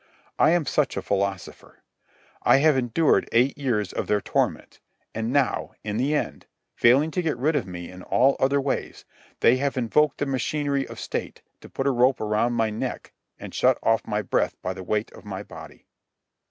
I am such a philosopher. I have endured eight years of their torment, and now, in the end, failing to get rid of me in all other ways, they have invoked the machinery of state to put a rope around my neck and shut off my breath by the weight of my body.